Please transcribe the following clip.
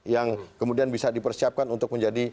yang kemudian bisa dipersiapkan untuk menjadi